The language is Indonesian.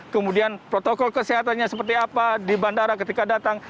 kemudian protokol kesehatannya seperti apa di bandara ketika datang